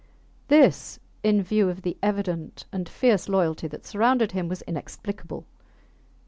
This, in view of the evident and fierce loyalty that surrounded him, was inexplicable.